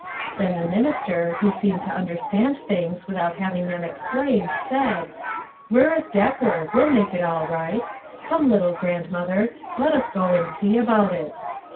Then the minister, who seemed to understand tilings without having them explained, said, " Where is Decker ? we'll make it all right ; come, little grandmother, let us go and see about it."